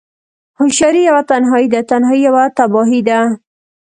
هوشیاری یوه تنهایی ده، تنهایی یوه تباهی ده